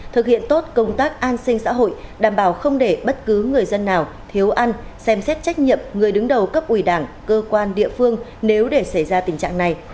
thực hiện tốt công tác an sinh xã hội đảm bảo không để bất cứ người dân nào thiếu ăn xem xét trách nhiệm người đứng đầu cấp ủy đảng cơ quan địa phương nếu để xảy ra tình trạng này